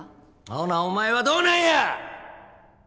ほなお前はどうなんや！